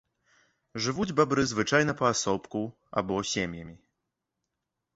Жывуць бабры звычайна паасобку або сем'ямі.